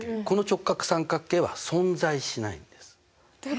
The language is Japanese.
この直角三角形は存在しないんです。